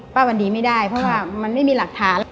ว่ามันดีไม่ได้เพราะว่ามันไม่มีหลักฐาน